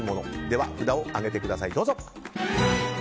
では、札を上げてください。